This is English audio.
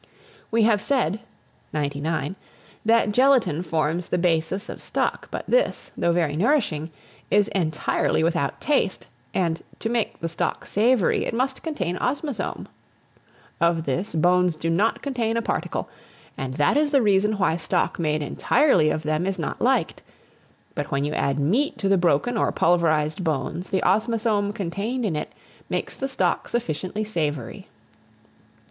We have said (99) that gelatine forms the basis of stock; but this, though very nourishing, is entirely without taste; and to make the stock savoury, it must contain osmazome. Of this, bones do not contain a particle; and that is the reason why stock made entirely of them, is not liked; but when you add meat to the broken or pulverized bones, the osmazome contained in it makes the stock sufficiently savoury.